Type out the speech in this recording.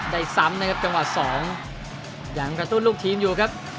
ได้ซ้ำนะครับจังหวะสองยังกระตุ้นลูกทีมอยู่ครับ